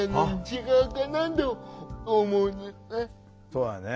そうやね。